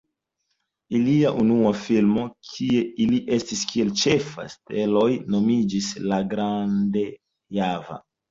Ilia unua filmo, kie ili estis kiel ĉefaj steloj, nomiĝis "La Grande Java".